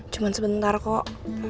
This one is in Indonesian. cuman sebentar kok